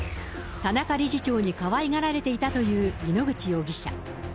田中理事長にかわいがられていたという、井ノ口容疑者。